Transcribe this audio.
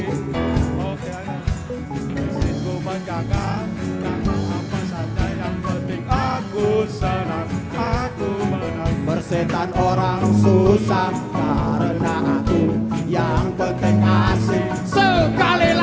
wajahku ganteng banyak simpanan